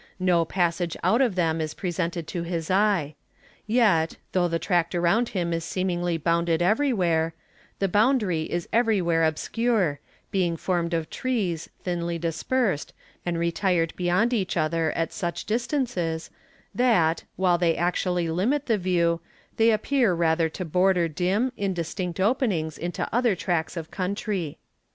No passage out of them is presented to his eye. Yet, though the tract around him is seemingly bounded every where, the boundary is every where obscure, being formed of trees, thinly dispersed, and retired beyond each other at such distances, that, while they actually limit the view, they appear rather to border dim, indistinct openings into other tracts of country.